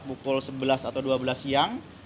pukul sebelas atau dua belas siang